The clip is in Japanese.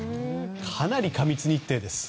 かなり過密日程です。